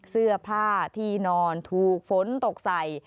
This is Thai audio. เสื้อผ้าที่นอนถูกฝนตกใส่